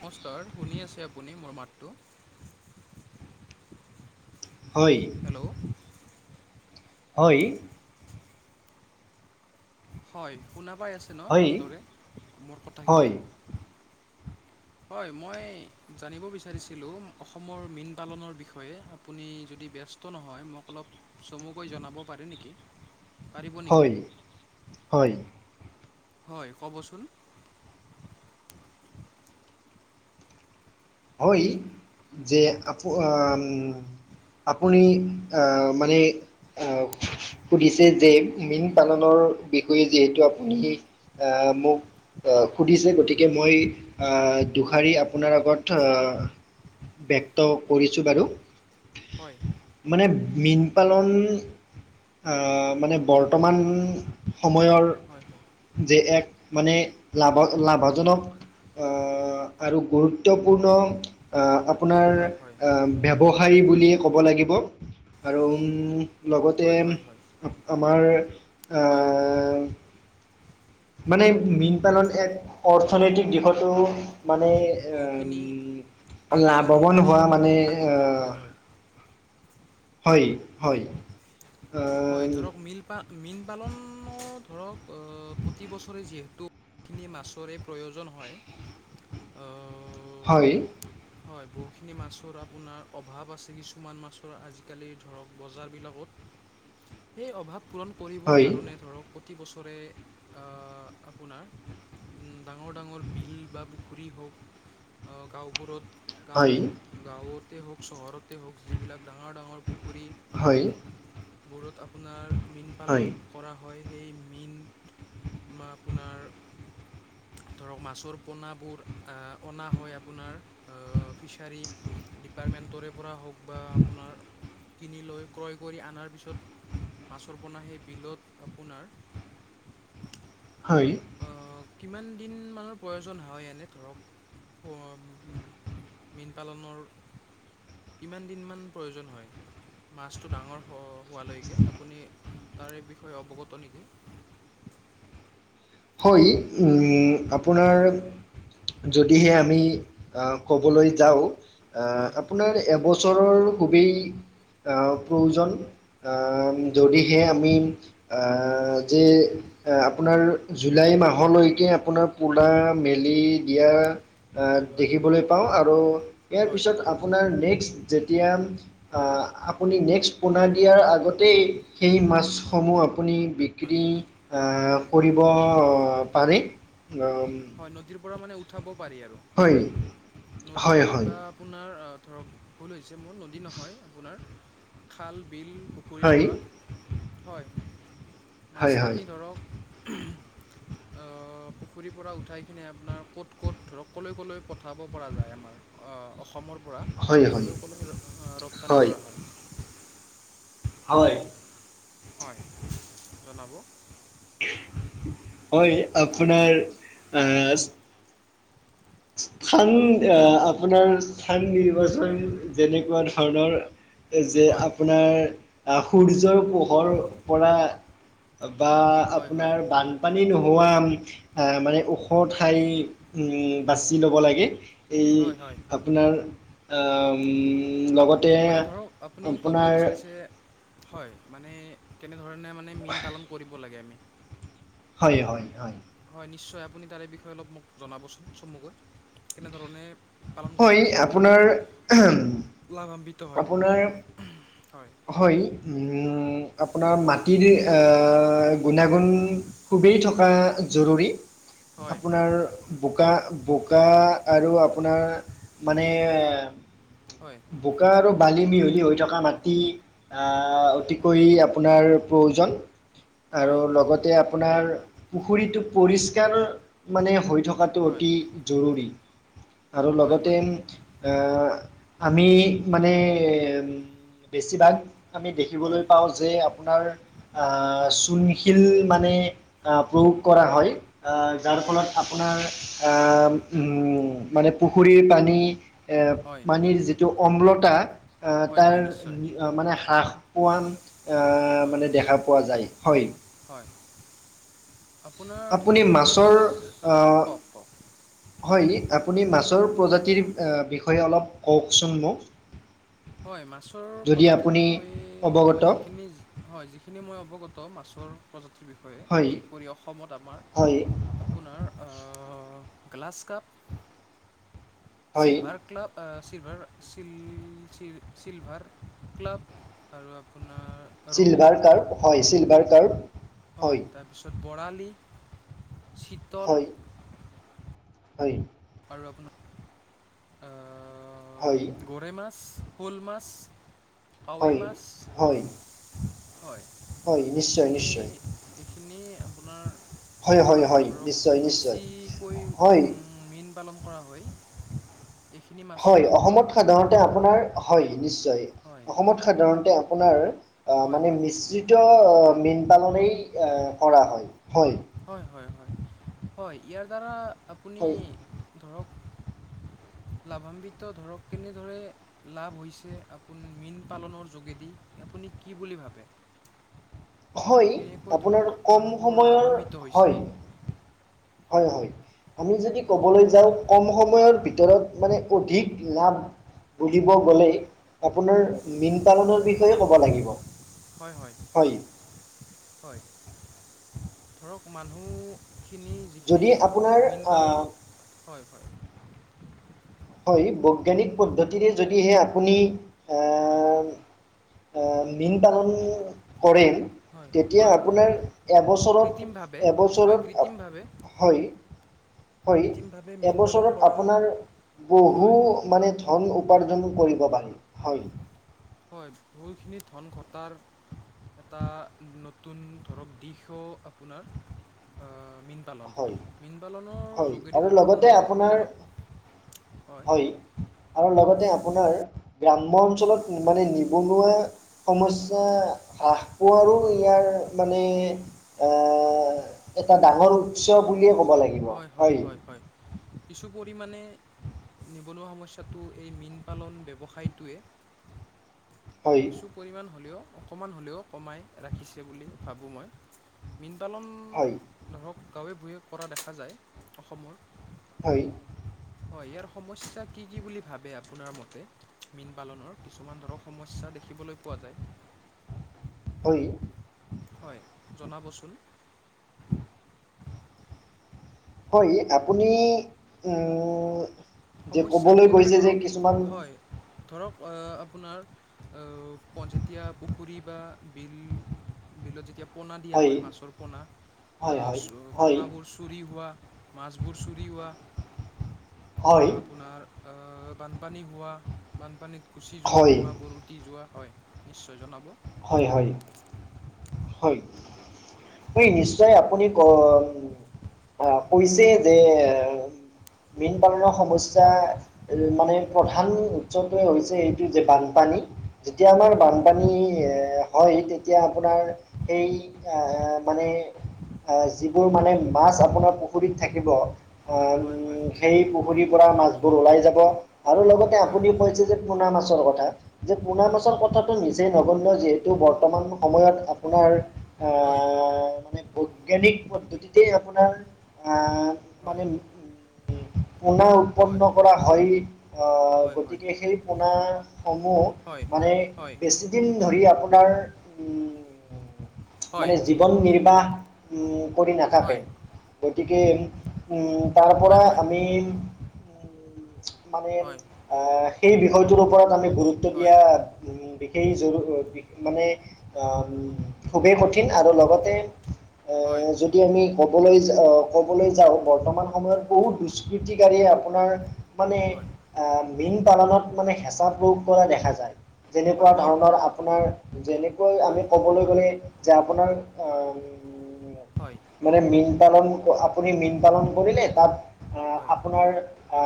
নমস্কাৰ, শুনি আছে আপুনি মোৰ মাতটো? [inaudible] হয়। হেল্ল'। হয়। হয় কোনা পাই আছে ন হয় ভালদৰে মোৰ কথাখিনি? হয় হয়, মই জানিব বিচাৰিছিলোঁ অসমৰ মীন পালনৰ বিষয়ে। আপুনি যদি ব্যস্ত নহয় মোক অলপ চমুকৈ জনাব পাৰে নেকি? পাৰিব নেকি হয়, হয়। হয়, ক'বচোন। হয় যে আপো আপুনি আ মানে আ সুধিছে যে মীন পালনৰ বিষয়ে যিহেতু আপুনি আ মোক সুধিছে, হয় গতিকে মই আ হয় দুষাৰি আপোনাৰ আগত আ ব্যক্ত কৰিছোঁ বাৰু। হয়। মানে মীন পালন আ মানে হয় বৰ্তমান সময়ৰ হয়, হয়। যে এক মানে লাভ লাভজনক আ আৰু গুৰুত তপূৰ্ণ আ আপোনাৰ হয় আ ব্যৱসায়ী বুলিয়ে ক'ব লাগিব আৰু উম লগতে হয় হয় হয় আমাৰ আ হয় মানে মীন পালন এক অৰ্থনৈতিক দিশতো মানে বহুখিনি উ লাভৱান হোৱা মানে আগবঢ়া হয়, হয়। হয়, হয়। হয়, ধৰক মীন পা মীন পালনো ধৰক অ প্ৰতিবছৰে যিহেতু খিনি মাছৰে প্ৰয়োজন হয়। অ হয় হয়, বহুখিনি মাছৰ আপোনাৰ অভাৱ আছে, কিছুমান মাছৰ আজি-কালি ধৰক বজাৰবিলাকত। সেই অভাৱ পূৰণ কৰিবৰ হয় কাৰণে ধৰক প্ৰতিবছৰে আ আপোনাৰ ডাঙৰ ডাঙৰ বিল বা পুখুৰী হওঁক অ গাঁওবোৰত গাঁও হয় গাঁৱতে হওঁক, চহৰতে হওঁক যিবিলাক ডাঙৰ ডাঙৰ পুখুৰী হয়। বোৰত আপোনাৰ মীন হয় পালন কৰা হয়। সেই মীন মা আপোনাৰ ধৰক মাছৰ পোনাবোৰ আ অনা হয় আপোনাৰ। অ ফিছাৰী ডিপাৰ্টমেণ্টৰে পৰা হওঁক বা আপোনাৰ কিনি লৈ ক্ৰয় কৰি আনাৰ পিছত মাছৰ পোনা সেই বিলত আপোনাৰ হয়। অ, কিমান দিন মানৰ প্ৰয়োজন হয় এনে ধৰক? [unintelligible] মীন পালনৰ কিমান দিনমান প্ৰয়োজন হয় মাছটো ডাঙৰ হ হোৱালৈকে আপুনি তাৰে বিষয়ে অৱগত নেকি? হয়, উ আপোনাৰ যদিহে আমি আ ক'বলৈ হয় যাও আ হয় হয় আপোনাৰ এ এবছৰৰ খুবেই আ প্ৰয়োজন। আ যদিহে আমি আ হয় যে আপোনাৰ জুলাই মাহলৈকে আপোনাৰ পোলা মেলি দিয়া আ হয় হয় দেখিবলৈ পাওঁ আৰু ইয়াৰ হয় পিছত আ আপোনাৰ নেক্স যেতিয়া আ আপুনি নেক্স পোনা দিয়াৰ আগত তেই সেই মাছসমূহ আপুনি বিক্ৰী আ কৰিব হয়, পাৰে হয় নদীৰ পৰা মানে উ উঠাব পাৰি আৰু হয় নদী হয় হয় বা আপোনাৰ ধৰক ভুল হৈছে মোৰ। নদী নহয় আপোনাৰ। খাল, বিল পুখুৰীৰ হয় পৰা। হয়, হয় হয় মাছখিনি ধৰক অ পুখুৰীৰ পৰা উঠাই কিনে আপোনাৰ ক'ত ক'ত ধৰক ক'লৈ, ক'লৈ পঠাব পৰা যায়, আমাৰ আ অসমৰ পৰা হয় হয় ক'লৈ ক'লৈ আ ৰপ্তানি কৰা হয়? হয়। হয়, জনাব। হয়, আপোনাৰ আচ স্থান আ আপোনাৰ স্থান নিৰ্বাচন যেনেকুৱা ধৰণৰ যে হয় আপোনাৰ আ সূৰ্যৰ পোহৰ পৰা বা হয় হয় আপোনাৰ বান পানী নোহোৱা আ মানে ওখ ঠাই ও বাচি ল'ব লাগে। এই হয় হয় আপোনাৰ আ উম লগত মানে ধৰক আপুনি ক'বলৈ বিচাৰিছে হয়, মানে কেনেধৰণে মানে মীন পালন কৰিব লাগে আমি? হয়, হয়, হয়। হয়, নিশ্চয় আপুনি তাৰে বিষয়ে অলপ মোক জনাবচোন চমুকৈ। কেনেধৰণে পালন হয়, কৰিলে মীন আপোনাৰ [unintelligible] লাভান্বিত হয়। আপোনাৰ হয়। হয়, উ আপোনাৰ মাটিৰে আ গুণাগুণ খুবেই থকা জৰুৰী। হয় আপোনাৰ বোকা, বোকা আৰু আপোনাৰ মানে হয়। বোকা আৰু বালি মিহলি হৈ থকা মাট টি আ অতিকৈ আপোনাৰ প্ৰয়োজন আৰু হয় লগতে আ আপোনাৰ পুখুৰীটো পৰিষ্কাৰ মানে হৈ থকাত টো অতি জৰুৰী আৰু হয় হয় হয় হয় লগতে আ আমি মানে বেছিভাগ আমি হয় দেখিবলৈ পাওঁ যে আপোনাৰ আ হয় চুনী শিল মানে প্ৰয়োগ কৰা হয়। আ যাৰ ফলত আপোনাৰ আ হয় উম, মানে পুখুৰীৰ পানী এ হয় পানীৰ যিটো অম্লটা, আ হয় তাৰ হয় নিশ্চয় মানে হ্ৰাস পোৱান আ হয় মানে দেখা পোৱা যায়, হয়। হয়, আপোনাৰ আপুনি ধৰক সমইছ, মাছৰ আহ কওঁক-কওঁক। হয় নি, আপুনি মাছৰ প্ৰজাতিৰ এ বিষয়ে অলপ কওঁকচোন মোক। হয়, মাছৰ যদি প্ৰজাতিৰ আপুনি বিষয়ে মই অৱগত যিখিনি হয়, যিখিনি মই অৱগত, মাছৰ প্ৰজাতিৰ বিষয়ে, হয় বিশেষ কৰি অসমত আমাৰ হয় আপোনাৰ অ গ্লাছ কাপ, হয় চিলভাৰ ক্লাপ অ', ছিলভাৰ চিল চিল চিলভাৰ ক্লাপ আৰু আপোনাৰ ৰৌ চিলভাৰ কাৰ্প হয়, চিলভাৰ কাৰ্প, হয়। তাৰপিছত বৰালি, চিতল। হয় হয়। আৰু আপোন হয় অ', গৰৈ মাছ, শ'ল মাছ। কাৱৈ হয় মাছ, হয় হয়, হয় নিশ্চয় এইখিনি, নিশ্চয় এই খিনি আপোনাৰ হয় হয় হয় ধৰক, নিশ্চয় নিশ্চয় বেছিকৈ হয় উম উম, মীন পালন কৰা হয়। এইখিনি হয়, মাছৰে ওপৰত অসমত সাধাৰণ তে আপোনাৰ হয়, নিশ্চয়, হয় অসমত সাধাৰণতে আপোনাৰ হয় মানে হয় মিশ্ৰিত ত মীন পালনেই এ কৰা হয়, হয়। হয় হয়- হয়-হয়, ইয়াৰ দ্বাৰা আপুনি হয় ধৰক লাভান্বিত ধৰক কেনেদৰে লাভ হৈছে আপু, মীন পালনৰ যোগেদি, আপুনি কি বুলি ভাবে। হয় কেনেকৈ আপোনাৰ ধৰক কম মানুহবোৰ সময়ৰ লাভান্বিত হৈছে। হয় হয়- হয়, আমি যদি হয় ক'বলৈ যাওঁ কম সময়ৰ ভিতৰত মানে অধিক লাভ বুুলিব গ'লেই হয় আপোনাৰ হয় মীন পালনৰ বিষয়ে ক'ব লাগিব। হয়- হয়। হয়, ধৰক মানুহ খিনি যিখিনি যদি ধৰক আপোনাৰ মীন আহ পালনত, হয়- হয়। হয়, বৈজ্ঞানিক পদ্ধতিৰে যদিহে আপুনি হয়। আ মীন পালন কৰিম হয় তেতিয়া হয় হয় আপোনাৰ কৃত্ৰিমভাৱে হয় এবছৰত-এবছৰত কৃত্ৰিমভাৱে হয়-হয়, কৃত্ৰিমভাৱে মীন পালন এবছৰত কৰা আপোনাৰ বহু হয় মানে ধন উপাৰ্জন কৰিব পাৰি, হয়। হয়, বহুতখিনি ধন ঘটাৰ এটা নতুন ধৰক দিশো আপোনাৰ, অ', মীন পালন, হয় মীন পালনৰ হয় যোগেদি আৰু ধৰক লগতে মই যিখিনি আপোনাৰ জানো হয় আৰু লগতে আপোনাৰ গ্ৰাম্য অঞ্চলত কওক মানে নিবনুৱা সমস্যা হ্ৰাস পোৱাৰো ইয়াৰ মানে আ এটা ডাঙৰ উৎস বুলিয়ে ক'ব লাগে হয়, হয়, হয়, হয়। কিছু পৰিমাণে নিবনুৱা সমস্যাটো এই মীন পালন ব্যৱসায়টোৱে হয়। কিছু পৰিমাণ হ'লেও অকণমান হ'লেও কমাই ৰাখিছে বুলি ভাবোঁ মই। মীন পালন হয় ধৰক গাঁৱে-ভূঞে কৰা দেখা যায় অসমৰ। হয়। হয়, ইয়াৰ সমস্যা কি কি বুলি ভাবে আপোনাৰ মতে? মীন পালনৰ কিছুমান ধৰক সমস্যা দেখিবলৈ পোৱা যায়। হয়। হয়, জনাবচোন। হয়, আপুনি ও যে সমস্যা ক'বলৈ বুলি ক'লে গৈছে যে ধৰক কিছুমান হয় ধৰক আ আপোনাৰ আ পন যেতিয়া পুখুৰী বা বিল বিলত যেতিয়া পোনা দিয়া হয়, মাছৰ পোনা আ হয় হয় চোও হয় পোনাবোৰচো চুৰি হোৱা মাছবোৰ চুৰি হোৱা হয় বা আপোনাৰ আ বানপানী হোৱা বানপানীত গুচি যোৱা হয় পোনাবোৰ উটি যোৱা, হয় নিশ্চয় জনাব। হয়, হয়। হয়, [unintelligible] নিশ্চয় আপুনি ক আ কৈছে যে হয় মীন পালনৰ সমস্যা মানে প্ৰধান উৎচৱটোৱে হৈছে এইটো যে বানপানী। যেতিয়া আমাৰ হয় হয় বানপানী [unintelligible] হয়, তেতিয়া আপোনাৰ সেই আ মানে আ যিবোৰ মানে মাছ আপোনাৰ পুখুৰীত থাকিব অ উম হয় হয় সেই পুখুৰীৰ পৰা মাছবোৰ ওলাই যাব আৰু লগ তে হয় হয় আপুনি কৈছে যে পোনা মাছৰ কথা যে পোনা হয় মাছৰ কথাটো নিজে নগন্য যিহেতু বৰ্তমান সময়ত আপোনাৰ হয়। আ মানে বৈজ্ঞানিক পদ্ধতিতেই আপোনাৰ আ হয় মানে হয় পোনা উৎপন্ন হয় কৰা হয়। আ হয় হয় গতিকে সেই পোনা সমূহ হয় মানে হয় বেছিদিন ধৰি আপোনাৰ ও হয় মানে জীৱন নিৰ্বাহ উ কৰি হয় নাথাকে। গতিকে উ তাৰ পৰা হয় আমি উ মানে হয় আ সেই বিষয়টোৰ ওপৰত আমি গুৰুত্ব হয় দিয়া উম দেখ সেই জৰু বি মানে আম খুবেই কঠিন আৰু লগতে অ হয় যো দি আমি ক'বলৈ যা আ ক'বলৈ যাওঁ বৰ্তমান সময়ত বহুত দুষ্কৃতিকাৰীয়ে আপোনাৰ মানে হয় আ মীন পালনত মানে হেঁচা প্ৰয়োগ কৰা দেখা যায়। হয় তেনেকুৱা ধৰণৰ আপোনাৰ যেনে কৈ আমি হয় ক'বলৈ গ'লে যে আপোনাৰ অ হয় ওম মানে মীন পালন আপুনি মীন পালন কৰিলে তাত আ হয় আপোনাৰ আ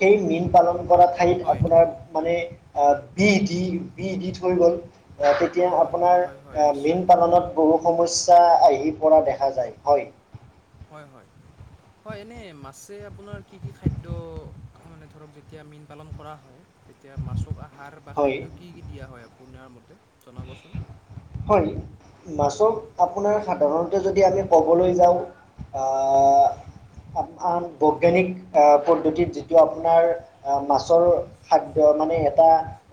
সেই মীন পালন কৰা ঠাইত হয় আপোনাৰ মানে আ বিহ দি বিহ দি থৈ গ'ল। আ তেতিয়া হয় হয় হয় হয় আপোনাৰ হয় হয় আ মীন নিশ্চয় পালনত বহু সমস্যা আহি পৰা দেখা যায়। হয়। হয়, হয়। হয়, এনে মাছে আপোনাৰ কি কি খাদ্য মানে ধৰক যেতিয়া মীন পালন কৰা হয় তেতিয়া মাছক আহাৰ বা হয় খাদ্য কি কি দিয়া হয় আপোনাৰ মতে জনাবচোন। হয়, মাছক আপোনাৰ সাধাৰণতে যদি আমি ক'বলৈ যাওঁ আ হয় আন আন বৈজ্ঞানিক আ পদ্ধতিত যিটো আপোনাৰ আ মাছৰ খাদ্য মানে এটা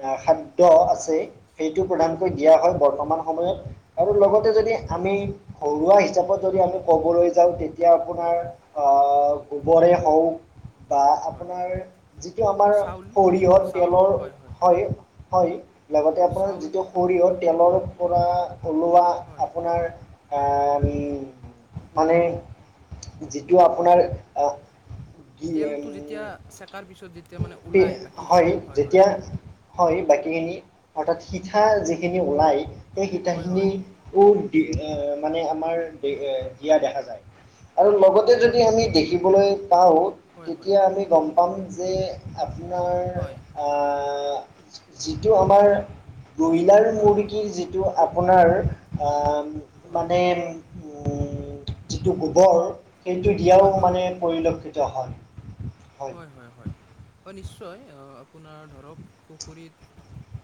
আ খাদ্য আছে। সেইটো প্ৰধানকৈ দিয়া হয় বৰ্তমান সময়ত আৰু হয় লগতে যদি আমি ঘৰুৱা হিচাপত যদি আমি ক'বলৈ যাওঁ তে তিয়া আপোনাৰ হয় হয় আ, গোবৰে হওঁক বা হয় আপোনাৰ যিটো আমাৰ চাউল সৰিয়হ তেলৰ, হয় হয়, লগতে আপোনাৰ চাউল যিটো সৰিয়হ তেলৰ পৰা ওলোৱা হয়। আপোনাৰ আ উম মানে যিটো আপোনাৰ অ কি তেলটো যেতিয়া চেকাৰ পিছত যেতিয়া উম মানে কি ওলায় হয়, বাকীখিনি হয় যেতিয়া হয়, বাকীখিনি অৰ্থাৎ সিঠা যিখিনি ওলাই সেই হয় সিটাখিনি হয় উক দি এ মানে আমাৰ দে দিয়া দেখা যায়। আৰু লগতে যদি আমি দেখিবলৈ পাওঁ হয় হয় তেতিয়া আমি গম পাম যে আপোনাৰ হয় আ যিটো আমাৰ ব্ৰইলাৰ হয় মুৰ্গী যি যিটো আপোনাৰ আ হয় মানে উম যিটো গোবৰ সেইটো দিয়াও হয় হয় মানে পৰিলক্ষিত হয়। হয়, হয়, হয়। হয়, নিশ্চয় আপোনাৰ ধৰক পুখুৰীত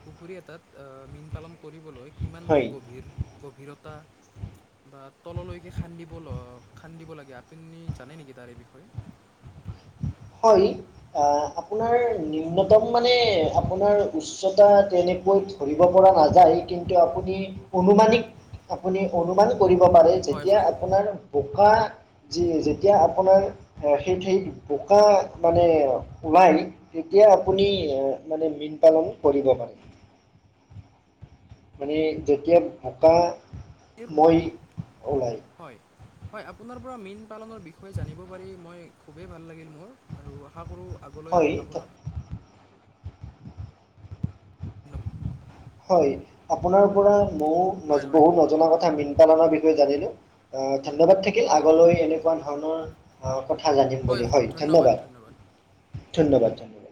পুখুৰী এটাত আ মীন পালন কৰিবলৈ কিমানমান হয় গভীৰ গভীৰতা বা তললৈকে খান্দিব ল খান্দিব লাগে আপুনি জানে নেকি তাৰে বিষয়ে? হয়, আ আপোনাৰ হয়, নিম্ন তম মানে আপোনাৰ উচ্চতা তেনেকৈ ধৰিব পৰা নাযায়, কিন্তু আপুনি অনুমানিক আপুনি অনুমান কৰিব পাৰে। হয়, যেতিয়া হয়। আপোনৰ বোকা যি যেতিয়া আপোনাৰ সেই ঠাইত বো কা মানে ওলাই তেতিয়া আপুনি মানে মীন পালন কৰিব পাৰে। মানে যেতিয়া এই- বোকাময় ওলায়। হয়। হয়, আপোনাৰ পৰা মীন পালনৰ বিষয়ে জানিব পাৰি মই খুবেই ভাল লাগিল মোৰ। আৰু আশা কৰো আগলৈ হয় আপোনাক [unintelligible] হয়, আপোনাৰ পৰা মও হয়, নজ হয়, বহু নজনা কথা মীন পালনৰ বিষয়ে জানিলো। আ ধন্যবাদ থাকিল। হয়, হয়, আগলৈ এনেকুৱা ধৰণৰ আ কথা জানিম বুলি। হয়, ধন্যবাদ, ধন্যবাদ। ধন্যবাদ